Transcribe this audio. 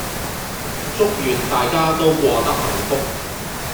祝願大家都過得幸福